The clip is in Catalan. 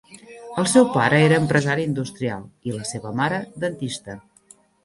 El seu pare era empresari industrial i, la seva mare, dentista.